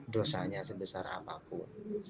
dosanya sebesar apapun